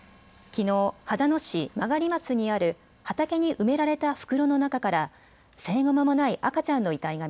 きのう、秦野市曲松にある畑に埋められた袋の中から生後まもない赤ちゃんの遺体が